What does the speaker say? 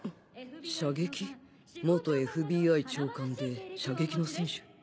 射撃？元 ＦＢＩ 長官で射撃の選手